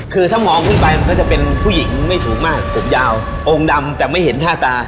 คือถ้ามองที่ไปจะเป็นผู้หญิงไม่สูงมากขวบยาวองค์ดำแต่ไม่เห็นท่าตา